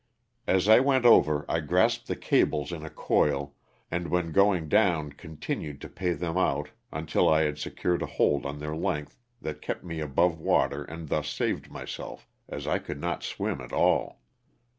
As I went over I grasped the cables in a coil and when going down continued to pay them out until I had secured a hold on their length that kept me above water and thus saved myself, as I could not swim at all.